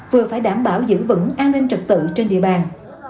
vừa phải đảm bảo giữ vững an ninh trật tự trên địa bàn